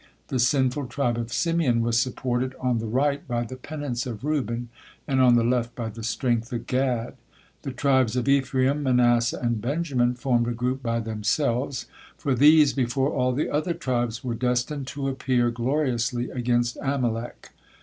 The sinful tribe of Simeon was supported on the right by the penance of Reuben and on the left by the strength of Gad. The tribes of Ephraim, Manasseh, and Benjamin formed a group by themselves, for these before all the other tribes were destined to appear gloriously against Amalek.